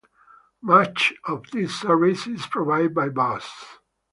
Much of this service is provided by bus.